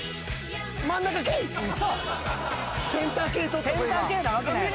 センター・圭なわけないやろ。